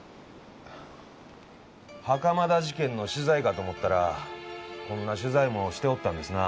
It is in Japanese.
袴田事件の取材かと思ったらこんな取材もしておったんですな。